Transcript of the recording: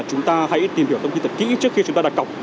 chúng ta hãy tìm hiểu thông tin thật kỹ trước khi chúng ta đặt cọc